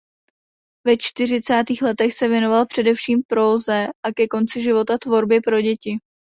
Ve čtyřicátých letech se věnoval především próze a ke konci života tvorbě pro děti.